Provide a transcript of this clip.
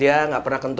orang lain gak tau